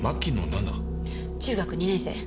中学２年生。